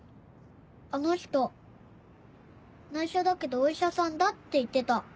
あの人内緒だけどお医者さんだって言ってた。